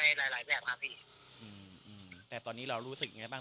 มีเดี๋ยวคนถามตลอดก็พยายามอธิบายให้ฟัง